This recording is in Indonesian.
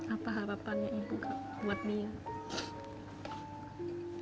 apa harapannya ibu buat nia